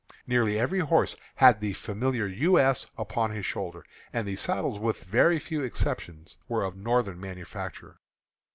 Nearly every horse had the familiar "U. S." upon his shoulder; and the saddles, with very few exceptions, were of Northern manufacture.